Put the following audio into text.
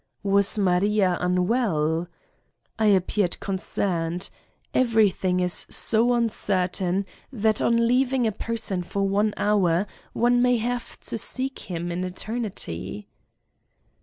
Was Maria unwell? I appeared concerned. Everything here is so uncertain that on leaving a person for one hour one may have to seek him in eternity."